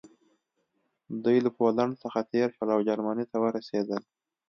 دوی له پولنډ څخه تېر شول او جرمني ته ورسېدل